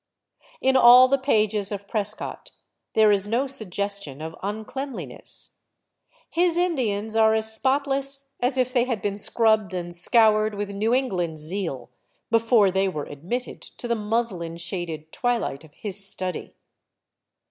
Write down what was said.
In all the pages of Prescott there is no suggestion of uncleanliness. His Indians are as spotless as if they had been scrubbed and scoured with New England zeal before they were admitted to the muslin shaded twilight of his study.